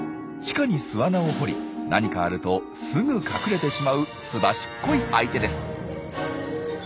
地下に巣穴を掘り何かあるとすぐ隠れてしまうすばしっこい相手です。